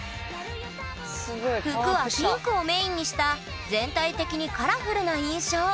服はピンクをメインにした全体的にカラフルな印象